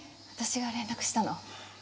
私が連絡したの。